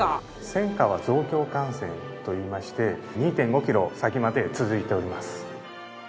千川増強幹線といいまして２．５キロ先まで続いております。